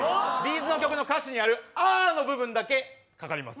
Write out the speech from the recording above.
’ｚの曲の歌詞にある「あー！」の部分だけかかります。